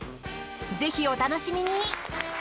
ぜひお楽しみに。